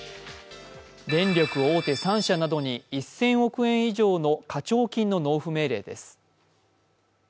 電力大手３社などに１０００億円以上の課徴金の納付命令です。